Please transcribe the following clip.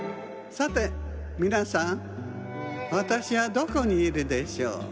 さてみなさんわたしはどこにいるでしょう？